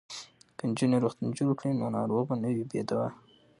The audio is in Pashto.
که نجونې روغتون جوړ کړي نو ناروغ به نه وي بې دواه.